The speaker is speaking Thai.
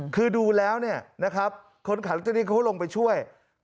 คือดูแล้วเนี่ยนะครับคนขายลอตเตอรี่เขาลงไปช่วย